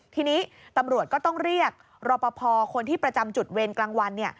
ทีนี้ตำรวจก็ต้องเรียกรอปภคนที่ประจำจุดเวรกลางวัน